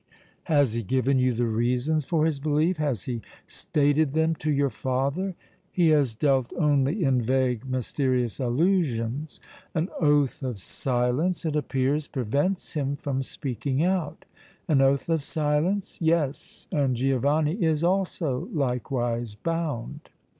"Has he given you the reasons for his belief, has he stated them to your father?" "He has dealt only in vague, mysterious allusions; an oath of silence, it appears, prevents him from speaking out." "An oath of silence?" "Yes, and Giovanni is also likewise bound."